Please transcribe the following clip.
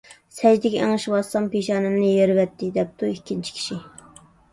_ سەجدىگە ئېڭىشىۋاتسام، پېشانەمنى يېرىۋەتتى، _ دەپتۇ ئىككىنچى كىشى.